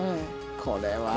これは。